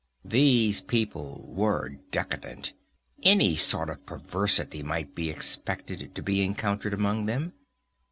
These people were decadent; any sort of perversity might be expected to be encountered among them.